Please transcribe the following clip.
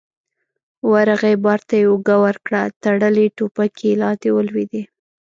ورغی، بار ته يې اوږه ورکړه، تړلې ټوپکې لاندې ولوېدې.